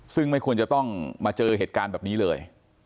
ซึ่งไม่ควรจะต้องมาเจอเหตุการณ์แบบนี้เลย